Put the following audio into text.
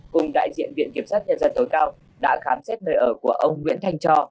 cùng đại diện viện kiểm sát nhân dân tối cao đã khám xét nơi ở của ông nguyễn thanh cho